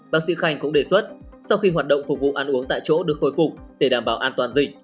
bác sĩ khanh cũng đề xuất sau khi hoạt động phục vụ ăn uống tại chỗ được khôi phục để đảm bảo an toàn dịch